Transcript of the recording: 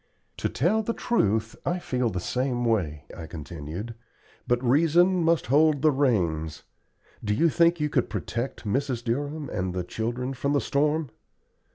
"To tell the truth I feel the same way," I continued, "but reason must hold the reins. Do you think you could protect Mrs. Durham and the children from the storm?"